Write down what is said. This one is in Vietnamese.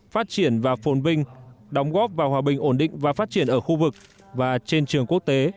phát triển và phồn vinh đóng góp vào hòa bình ổn định và phát triển ở khu vực và trên trường quốc tế